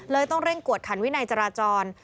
ต้องเร่งกวดขันวินัยจราจร